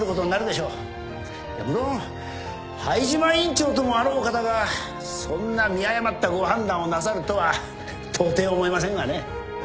むろん灰島院長ともあろうお方がそんな見誤ったご判断をなさるとはとうてい思えませんがね。